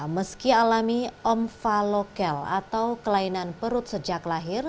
meski alami omfalokel atau kelainan perut sejak lahir